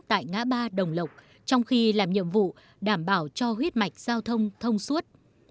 tại ngã ba đồng lộc trong khi làm nhiệm vụ đảm bảo cho huyết mạch giao thông thông suốt